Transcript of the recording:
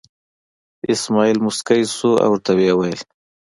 اسمعیل موسکی شو او ورته یې وویل.